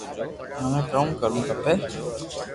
مني ڪاو ڪرووُ کپي